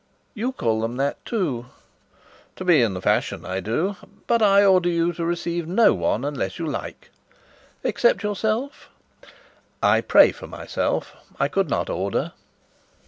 "You call them that, too?" "To be in the fashion, I do. But I order you to receive no one unless you like." "Except yourself?" "I pray for myself. I could not order."